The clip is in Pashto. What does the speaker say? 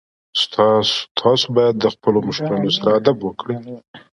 تاسو باید له خپلو مشرانو سره ادب وکړئ.